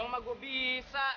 pertama kalial hanya dihasilin